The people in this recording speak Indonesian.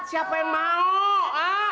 siapa yang mau ha